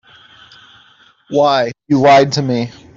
Why, you lied to me.